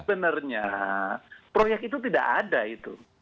sebenarnya proyek itu tidak ada itu